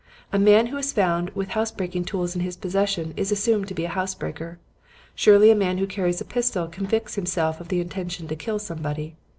A man who is found with house breaking tools in his possession is assumed to be a house breaker. Surely a man who carries a pistol convicts himself of the intention to kill somebody.